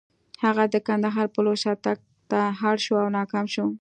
هغه د کندهار په لور شاتګ ته اړ شو او ناکام شو.